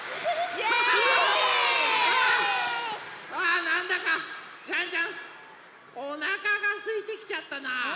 なんだかジャンジャンおなかがすいてきちゃったな。